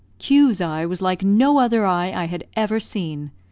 Q 's eye was like no other eye I had ever seen.